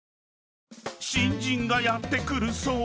［新人がやって来るそう。